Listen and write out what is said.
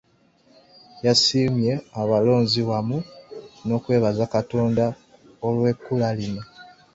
Yasiimye abalonzi wamu n’okwebaza Katonda olw’ekkula lino.